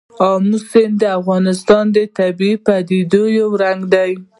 آمو سیند د افغانستان د طبیعي پدیدو یو رنګ دی.